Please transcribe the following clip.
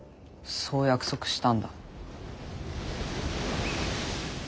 そう約束したんだ。